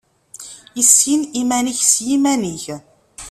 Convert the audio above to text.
Issin iman-ik s yiman-ik.